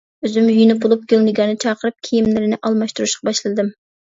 ئۆزۈم يۇيۇنۇپ بولۇپ، گۈلنىگارنى چاقىرىپ كىيىملىرىنى ئالماشتۇرۇشقا باشلىدىم.